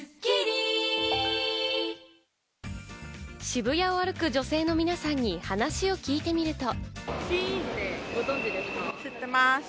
渋谷を歩く女性の皆さんに、話を聞いてみると。